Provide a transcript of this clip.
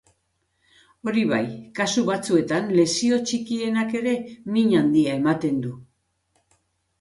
Hori bai, kasu batzuetan lesio txikienak ere min handia ematen du.